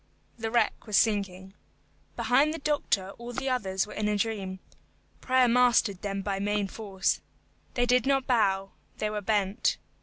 The wreck was sinking. Behind the doctor all the others were in a dream. Prayer mastered them by main force. They did not bow, they were bent.